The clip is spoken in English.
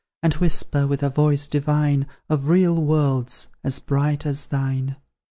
And whisper, with a voice divine, Of real worlds, as bright as thine.